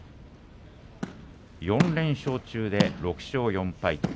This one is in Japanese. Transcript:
４連勝中で６勝４敗